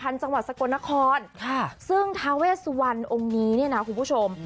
ประพันธ์จังหวัดสกลนครซึ่งทาเวสสุวรรณองค์นี้เนี่ยนะคุณผู้ชม